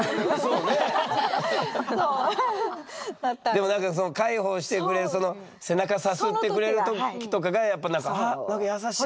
でもなんか介抱してくれるその背中さすってくれる時とかがやっぱあっなんか優しい。